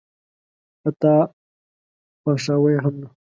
حتی خواښاوه یې هم نه.